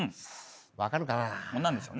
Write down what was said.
分かるかな？